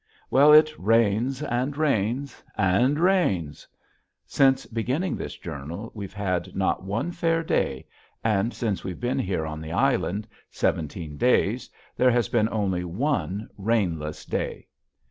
Well, it rains and rains and rains. Since beginning this journal we've had not one fair day, and since we've been here on the island, seventeen days, there has been only one rainless day.